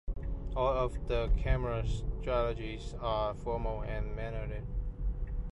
All of the camera strategies are formal and mannered.